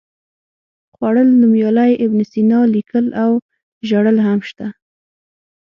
خوړل، نومیالی، ابن سینا، لیکل او ژړل هم شته.